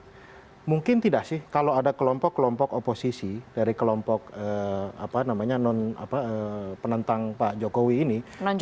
tapi mungkin tidak sih kalau ada kelompok kelompok oposisi dari kelompok non penentang pak jokowi ini